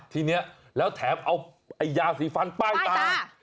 ทีนี้แล้วแถมเอาไอ้ยาสีฟันป้ายตา